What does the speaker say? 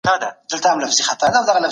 • د پوښتنې کولو څخه مه شرمېږه.